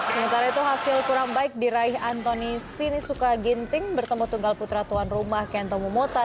sementara itu hasil kurang baik diraih antoni sinisuka ginting bertemu tunggal putra tuan rumah kento mumota